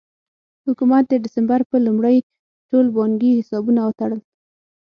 حکومت د ډسمبر په لومړۍ ټول بانکي حسابونه وتړل.